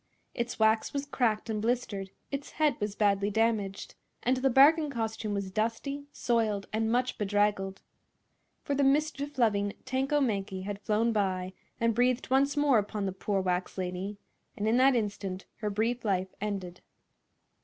Its wax was cracked and blistered, its head was badly damaged, and the bargain costume was dusty, soiled and much bedraggled. For the mischief loving Tanko Mankie had flown by and breathed once more upon the poor wax lady, and in that instant her brief life ended.